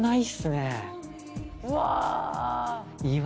うわ！